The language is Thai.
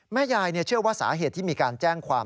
แม่ยายเชื่อว่าสาเหตุที่มีการแจ้งความ